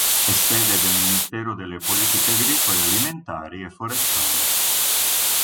È sede del Ministero delle politiche agricole alimentari e forestali.